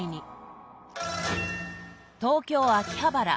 東京・秋葉原。